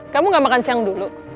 kamu gak makan siang dulu